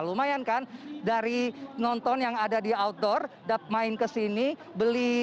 lumayan kan dari nonton yang ada di outdoor main ke sini beli